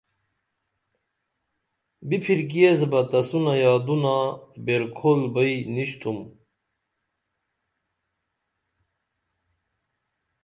بِپھرکی ایس بہ تسونہ یادونا بیرکھول بئی نِشتُھم